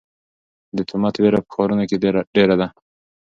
د تومت وېره په ښارونو کې ډېره ده.